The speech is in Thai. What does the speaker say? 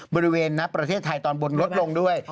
ณประเทศไทยตอนบนลดลงด้วย